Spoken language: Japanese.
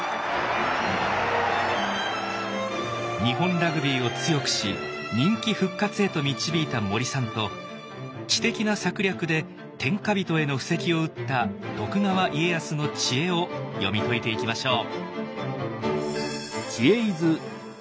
日本ラグビーを強くし人気復活へと導いた森さんと知的な策略で天下人への布石を打った徳川家康の知恵を読み解いていきましょう。